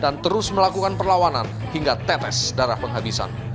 dan terus melakukan perlawanan hingga tetes darah penghabisan